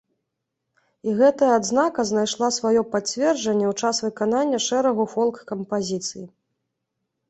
І гэта адзнака знайшла сваё пацверджанне ў час выканання шэрагу фолк-кампазіцый.